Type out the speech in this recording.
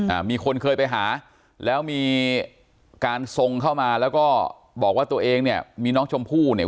อ่ามีคนเคยไปหาแล้วมีการทรงเข้ามาแล้วก็บอกว่าตัวเองเนี่ยมีน้องชมพู่เนี่ย